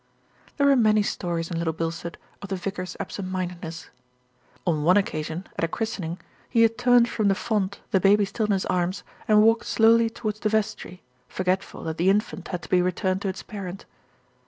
There were many stories in Little Bilstead of the vicar's absent mindedness. On one occasion at a christening, he had turned from the font, the baby still in his arms, and walked slowly towards the vestry, forgetful that the infant had to be returned to its parent.